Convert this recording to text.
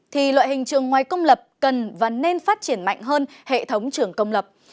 thì loại hình trường ngoài công lập cần và nên phát triển mạnh hơn hệ thống trường công lập